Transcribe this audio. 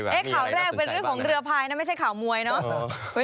ข่าวแรกเป็นเรื่องของเรือพายนะไม่ใช่ข่าวมวยเนอะ